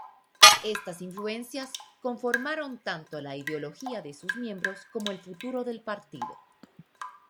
Estas influencias conformaron tanto la ideología de sus miembros como el futuro del partido.